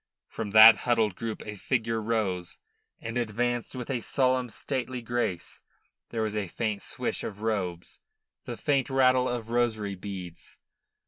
From that huddled group a figure rose, and advanced with a solemn, stately grace. There was a faint swish of robes, the faint rattle of rosary beads.